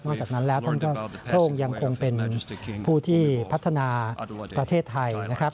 จากนั้นแล้วท่านก็พระองค์ยังคงเป็นผู้ที่พัฒนาประเทศไทยนะครับ